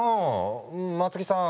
松木さん